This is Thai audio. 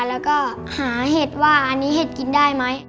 แล้วก็หาเห็ดว่าอันนี้เห็ดกินได้ไหม